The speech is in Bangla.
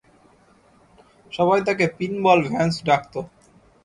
সবাই তাকে পিনবল ভ্যান্স ডাকতো।